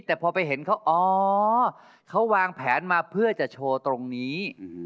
แต่พอไปเห็นเขาอ๋อเขาวางแผนมาเพื่อจะโชว์ตรงนี้